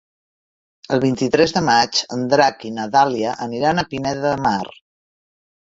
El vint-i-tres de maig en Drac i na Dàlia aniran a Pineda de Mar.